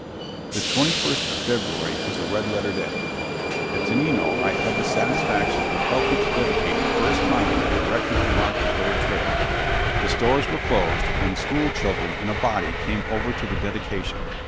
The twenty first of February was a red letter day. At Tenino I had the satisfaction of helping to dedicate the first monument erected to mark the old trail. The stores were closed, and the school children in a body came over to the dedication.